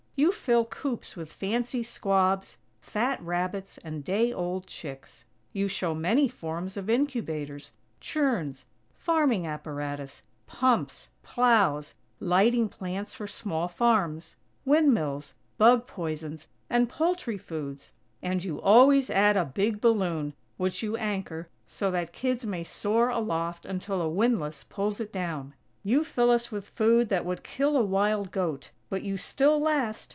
You fill coops with fancy squabs, fat rabbits, and day old chicks. You show many forms of incubators, churns, farming apparatus, pumps, plows, lighting plants for small farms, windmills, "bug" poisons, and poultry foods. And you always add a big balloon, which you anchor, so that kids may soar aloft until a windlass pulls it down. You fill us with food that would kill a wild goat, but you still last!